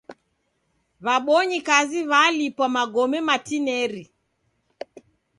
W'abonyi kazi w'alipwa magome matineri.